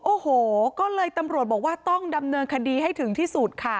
โอ้โหก็เลยตำรวจบอกว่าต้องดำเนินคดีให้ถึงที่สุดค่ะ